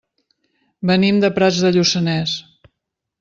Venim de Prats de Lluçanès.